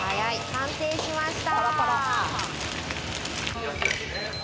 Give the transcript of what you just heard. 完成しました。